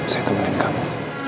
saya temenin kamu